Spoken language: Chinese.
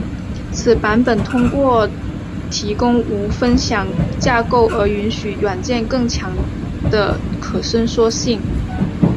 此版本通过提供无分享架构而允许软件更强的可伸缩性。